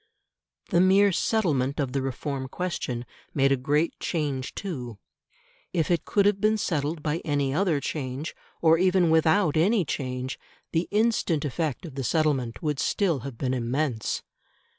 The mere settlement of the Reform question made a great change too. If it could have been settled by any other change, or even without any change, the instant effect of the settlement would still have been immense.